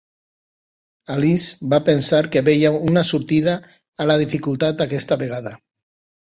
Alice va pensar que veia una sortida a la dificultat aquesta vegada.